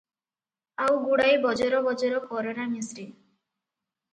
ଆଉ ଗୁଡ଼ାଏ ବଜର ବଜର କରନା ମିଶ୍ରେ ।